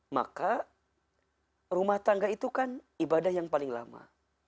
maka rumah tangga itu kan ibadah yang paling lama